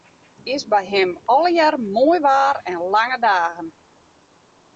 It is by him allegearre moai waar en lange dagen.